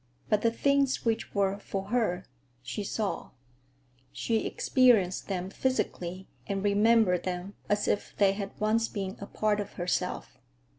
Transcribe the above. But the things which were for her, she saw; she experienced them physically and remembered them as if they had once been a part of herself.